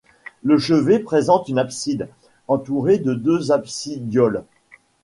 Le chevet présente une abside, entourée de deux absidioles.